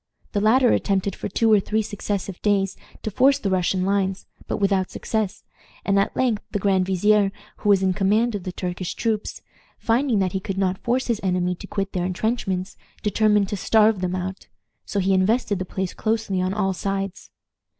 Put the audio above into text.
The latter attempted for two or three successive days to force the Russian lines, but without success, and at length the grand vizier, who was in command of the Turkish troops, finding that he could not force his enemy to quit their intrenchments, determined to starve them out; so he invested the place closely on all sides.